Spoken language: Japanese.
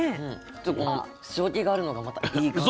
でこの塩気があるのがまたいい感じで。